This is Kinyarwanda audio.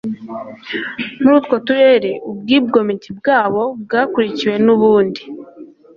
muri utwo turere Ubwigomeke bwabo bwakurikiwe n ubundi